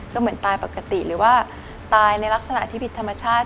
ก็เหมือนตายปกติหรือว่าตายในลักษณะที่ผิดธรรมชาติ